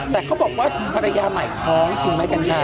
แต่เขาบอกว่าภรรยาใหม่ท้องจริงมั้ยกันใช่